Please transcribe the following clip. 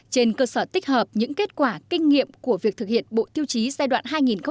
trên cơ sở tích hợp những kết quả kinh nghiệm của việc thực hiện bộ tiêu chí giai đoạn hai nghìn một mươi một hai nghìn một mươi năm